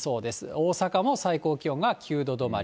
大阪も最高気温が９度止まり。